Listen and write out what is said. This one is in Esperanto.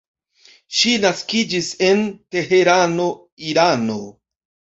Ŝi naskiĝis en Teherano, Irano.